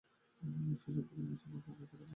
শৈশব থেকেই তার নাচ ও সংগীতের প্রতি আগ্রহ ছিল।